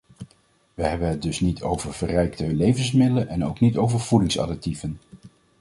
We hebben het dus niet over verrijkte levensmiddelen en ook niet over voedingsadditieven.